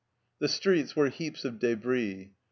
The streets were heaps of debris.